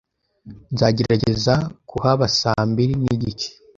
Nzagerageza kuhaba saa mbiri n'igice.